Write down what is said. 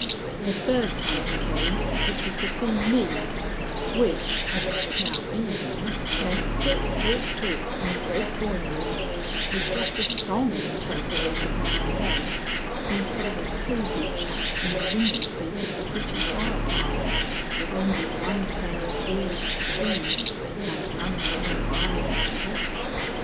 The third time he came, it was to see me, which, as it was now evening, meant talk, talk, talk in the great drawing room, with just a song interpolated now and then, instead of a cosy chat in the window seat of the pretty Flower Parlor, with only one pair of ears to please and one pair of eyes to watch.